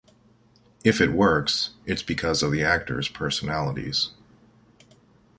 If it works, it's because of the actors' personalities.